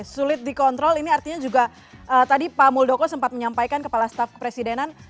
sulit dikontrol ini artinya juga tadi pak muldoko sempat menyampaikan kepala staf kepresidenan